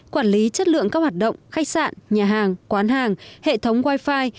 quản lý chất lượng các hoạt động khách sạn nhà hàng quán hàng hệ thống wifi